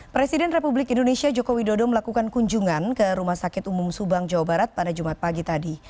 presiden republik indonesia joko widodo melakukan kunjungan ke rumah sakit umum subang jawa barat pada jumat pagi tadi